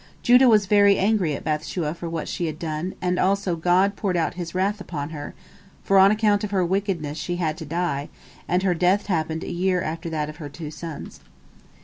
Judah was very angry at Bath shua for what she had done, and also God poured out His wrath upon her, for on account of her wickedness she had to die, and her death happened a year after that of her two sons.